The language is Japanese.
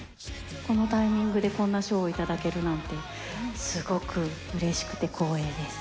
このタイミングでこんな賞を頂けるなんて、すごくうれしくて光栄です。